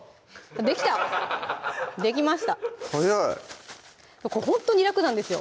できたできました早いほんとに楽なんですよ